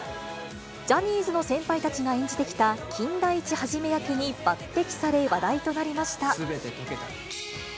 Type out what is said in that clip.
ジャニーズの先輩たちが演じてきた金田一一役に抜てきされ、話題となりました。